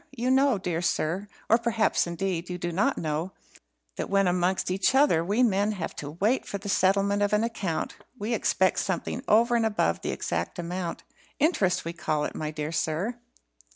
You know, dear sir, or perhaps, indeed, you do not know, that when amongst each other we men have to wait for the settlement of an account, we expect something over and above the exact amount. Interest we call it, my dear sir."